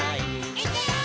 「いくよー！」